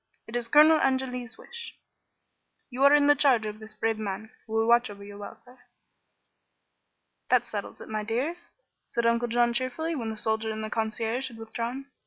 It is Colonel Angeli's wish. You are in the charge of this brave man, who will watch over your welfare." "That settles it, my dears," said Uncle John, cheerfully, when the soldier and the concierge had withdrawn.